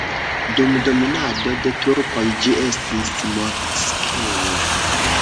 Dum dominado de turkoj ĝi estis moskeo.